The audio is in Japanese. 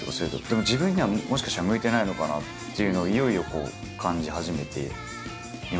でも自分にはもしかしたら向いてないのかなっていうのをいよいよ感じ始めていまして。